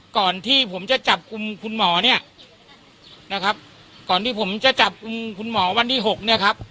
ก่อนที่ผมจะจับกลุ่มคุณหมอเนี่ยนะครับก่อนที่ผมจะจับกลุ่มคุณหมอวันที่หกเนี่ยครับ